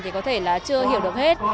thì có thể là chưa hiểu được hết